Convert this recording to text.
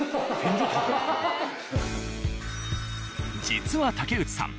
実は竹内さん